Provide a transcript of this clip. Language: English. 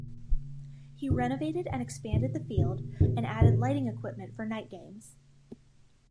He renovated and expanded the field and added lighting equipment for night games.